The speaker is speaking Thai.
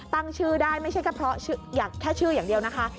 ตั้งชื่อได้ไม่ใช่แค่ชื่ออย่างเดียวนะคะ